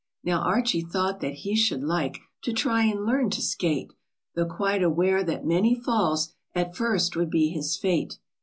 Now Archie thought that he should like To try and learn to skate, Though quite aware that many falls At first would be his fate.